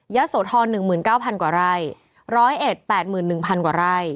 เยอะโสทรหนึ่งหมื่นเก้าพันกว่าไร่ร้อยเอ็ดแปดหมื่นหนึ่งพันกว่าไร่